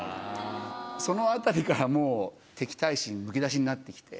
そのあたりからもう敵対心むき出しになって来て。